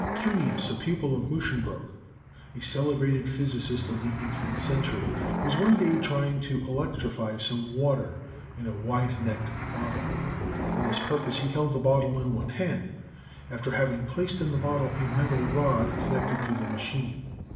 170 ELECTRICITY Cuneus, a pupil of Muschenbroek, a celebrated physicist of the eighteenth century, was one day trying to electrify some water in a wide necked bottle. For this purpose he held the bottle in one hand, after having placed in the bottle a metal rod connected to. the machine.